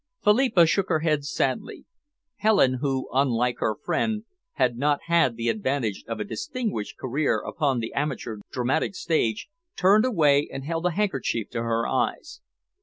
Philippa shook her head sadly. Helen, who, unlike her friend, had not had the advantage of a distinguished career upon the amateur dramatic stage, turned away and held a handkerchief to her eyes.